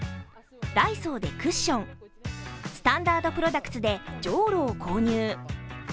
ダイソーでクッション、スタンダードプロダクツでじょうろを購入。